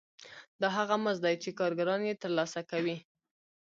دا هغه مزد دی چې کارګران یې ترلاسه کوي